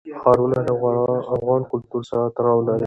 ښارونه د افغان کلتور سره تړاو لري.